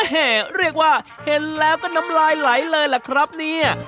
เรียกว่าเห็นแล้วก็น้ำลายไหลเลยล่ะครับเนี่ย